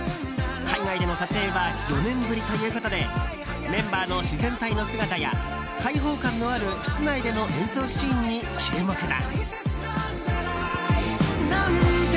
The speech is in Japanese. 海外での撮影は４年ぶりということでメンバーの自然体の姿や開放感のある室内での演奏シーンに注目だ。